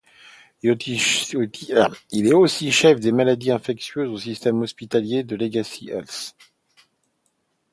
Il est aussi chef des maladies infectieuse au systeme hospitalier de Legacy health.